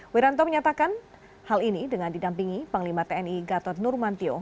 wiranto menyatakan hal ini dengan didampingi panglima tni gatot nurmantio